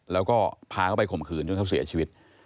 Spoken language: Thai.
แล้วก็พาเขาไปข่มขืนจนเขาเสียชีวิต